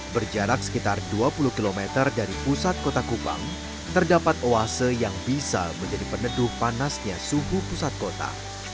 berjarak sekitar dua puluh km dari pusat kota kupang terdapat oase yang bisa menjadi peneduh panasnya suhu pusat kota